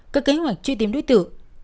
các kế hoạch truy tìm đối tượng